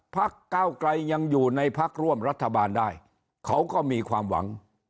พักเก้าไกลยังอยู่ในพักร่วมรัฐบาลได้เขาก็มีความหวัง